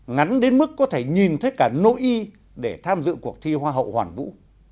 ngắn đến mức có thể nhìn thấy cả nỗi y để tham dự cuộc thi hoa hậu hoàn vũ